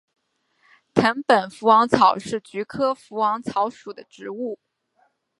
藤本福王草是菊科福王草属的植物。